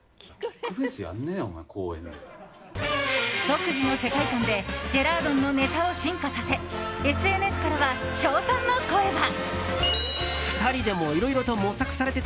独自の世界観でジェラードンのネタを進化させＳＮＳからは称賛の声が。